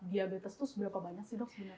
diabetes itu seberapa banyak sih dok sebenarnya